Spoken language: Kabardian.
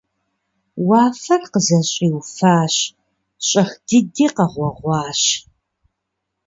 Уафэр къызэщӏиуфащ, щӏэх дыди къэгъуэгъуащ.